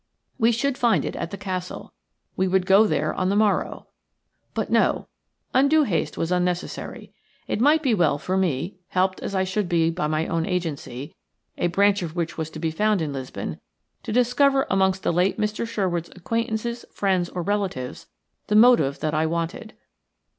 We should find it at the castle. We would go there on the morrow. But, no; undue haste was unnecessary. It might be well for me, helped as I should be by my own agency, a branch of which was to be found in Lisbon, to discover amongst the late Mr. Sherwood's acquaintances, friends, or relatives the motive that I wanted.